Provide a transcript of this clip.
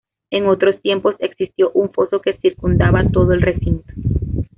En otros tiempos existió un foso que circundaba todo el recinto.